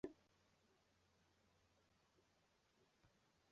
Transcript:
建筑施工行业是最危险的行业之一。